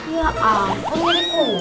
ya ampun ini kunci